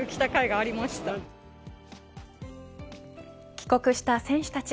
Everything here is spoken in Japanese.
帰国した選手たち